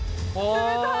冷たい！